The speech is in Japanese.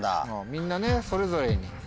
みんなそれぞれに。